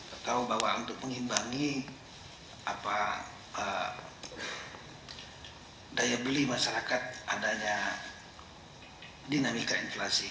atau bahwa untuk mengimbangi daya beli masyarakat adanya dinamika inflasi